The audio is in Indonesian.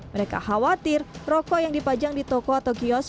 mereka khawatir rokok yang dipajang di toko atau kios